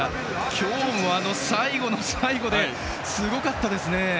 今日も最後の最後ですごかったですね。